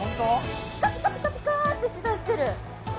ピカピカピカピカってしだしてる。